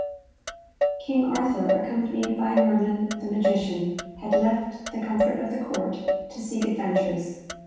King Arthur, accompanied by Merlin the magician, had left the comfort of the court to seek adventures.